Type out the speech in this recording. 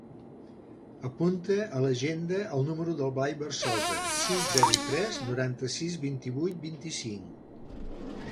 Apunta a l'agenda el número del Blai Berzosa: sis, zero, tres, noranta-sis, vint-i-vuit, vint-i-cinc.